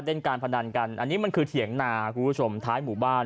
เล่นการพนันกันอันนี้มันคือเถียงนาคุณผู้ชมท้ายหมู่บ้าน